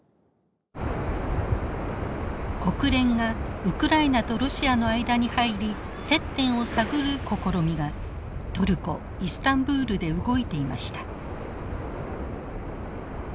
国連がウクライナとロシアの間に入り接点を探る試みがトルコ・イスタンブールで動いていました。